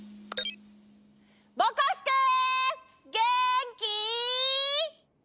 ぼこすけげんき？